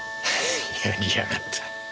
やりやがった。